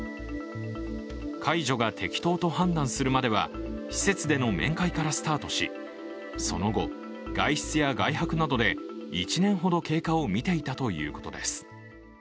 解除が適当と判断するまでは施設での面会からスタートし、その後、外出や外泊などで１年ほど経過を見ていたということです。